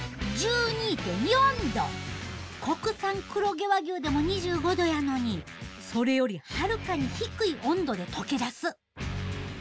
国産黒毛和牛でも２５℃やのにそれよりはるかに低い温度でとけだす！